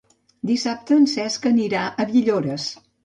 Dissabte en Cesc anirà a Villores.